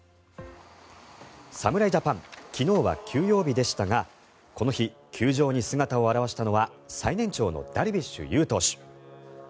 侍ジャパン昨日は休養日でしたがこの日、球場に姿を現したのは最年長のダルビッシュ有投手。